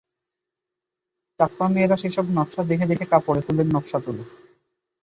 চাকমা মেয়েরা সেসব নকশা দেখে দেখে কাপড়ে ফুলের নকশা তোলে।